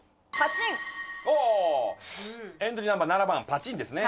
エントリーナンバー７番「パチンッ」ですね。